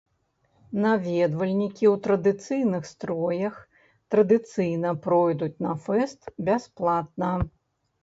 Наведвальнікі ў традыцыйных строях традыцыйна пройдуць на фэст бясплатна.